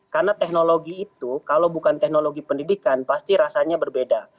karena teknologi itu kalau bukan teknologi pendidikan pasti rasanya berbeda